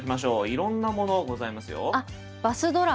いろんなものございますよ。